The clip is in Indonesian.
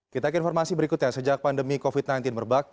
kita ke informasi berikutnya sejak pandemi covid sembilan belas merebak